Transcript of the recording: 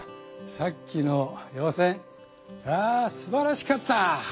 さっきの予選あすばらしかった！